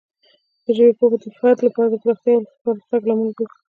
د ژبې پوهه د فرد لپاره د پراختیا او پرمختګ لامل ګرځي.